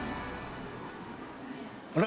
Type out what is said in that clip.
あれ？